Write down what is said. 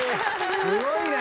すごいね！